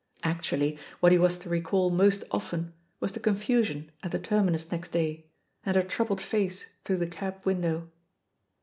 Actually, what he was to recall most often was the confusion at the terminus next day and her troubled face through the cab window.